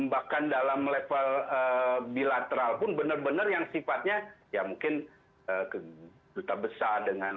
bahkan dalam level bilateral pun benar benar yang sifatnya ya mungkin duta besar dengan